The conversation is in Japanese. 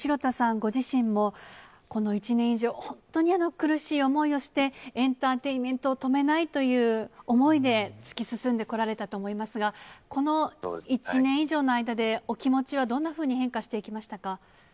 ご自身も、この１年以上、本当に苦しい思いをして、エンターテインメントを止めないという思いで突き進んでこられたと思いますが、この１年以上の間で、お気持ちはどんなふうに変化していきましたか？